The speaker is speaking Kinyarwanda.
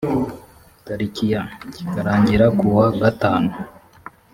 tariki ya kikarangira ku wa gatanu